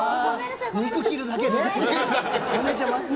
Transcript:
肉切るだけで？